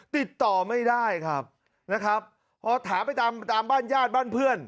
ติดต่อไม่ได้ครับนะครับพอถามไปตามตามบ้านญาติบ้านเพื่อน